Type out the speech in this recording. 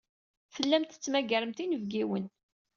Tellamt tettmagaremt inebgiwen.